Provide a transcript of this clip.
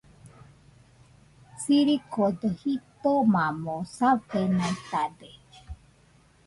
Sirikodo jitomamo safenaitade.